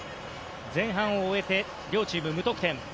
前半を終えて両チーム無得点。